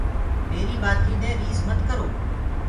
ميريٚ ڀآتينٚ دي ريس مت ڪرو۔